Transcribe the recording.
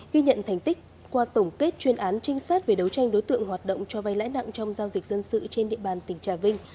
ghi nhận thành tích qua tổng kết chuyên án trinh sát về đấu tranh đối tượng hoạt động cho vay lãi nặng trong giao dịch dân sự trên địa bàn tỉnh trà vinh